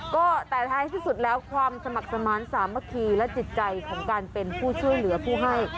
ก็แต่ท้ายที่สุดแล้วความสมัครสมาธิสามัคคีและจิตใจของการเป็นผู้ช่วยเหลือผู้ให้